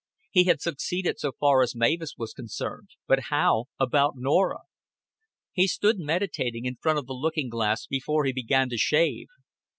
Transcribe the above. He had succeeded so far as Mavis was concerned; but how about Norah? He stood meditating in front of the looking glass before he began to shave.